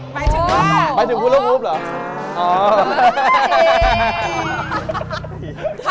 มีมายถึงว่า